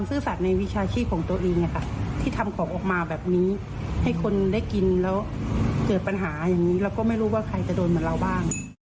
มีปัญหาอย่างนี้แล้วก็ไม่รู้ว่าใครจะโดนเหมือนเราบ้าง